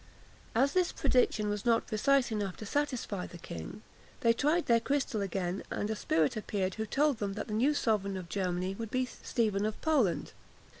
As this prediction was not precise enough to satisfy the king, they tried their crystal again, and a spirit appeared who told them that the new sovereign of Germany would be Stephen of Poland.